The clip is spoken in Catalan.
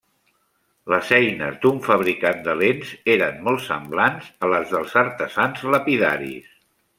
Les eines d'un fabricant de lents eren molt semblants a les dels artesans lapidaris.